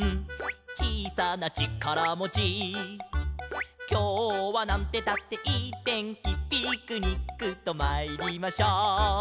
「ちいさなちからもち」「きょうはなんてったっていいてんき」「ピクニックとまいりましょう」